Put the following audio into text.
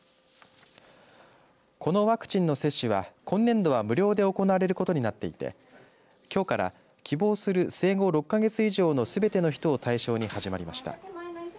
このワクチンの接種は今年度は無料で行われることになっていてきょうから希望する生後６か月以上のすべての人を対象に始まりました。